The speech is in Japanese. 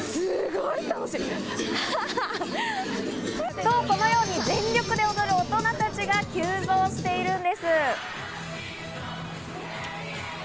と、このように全力で踊る大人たちが急増しているんです。